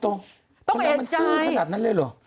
ต้องเอ่นใจต้องเอ่นใจ